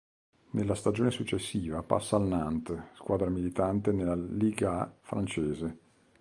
Nella stagione successiva passa al Nantes, squadra militante nella Ligue A francese.